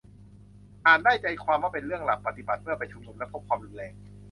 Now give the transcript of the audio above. อ่านได้ใจความว่าเป็นเรื่องหลักปฏิบัติเมื่อไปชุมนุมและพบความรุนแรง